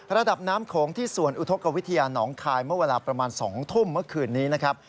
ระดับน้ำโขงที่สวนอุทธกวิทยาหนองคายเมื่อเวลาประมาณ๒ทุ่มเมื่อคืนนี้นะครับ